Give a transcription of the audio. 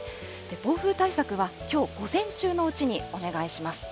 暴風対策はきょう午前中のうちにお願いします。